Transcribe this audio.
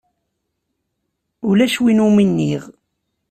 Ulac win i wumi nniɣ.